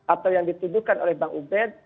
atau yang dituduhkan oleh bang ubed